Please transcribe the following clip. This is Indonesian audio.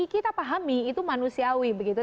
kita pahami itu manusiawi begitu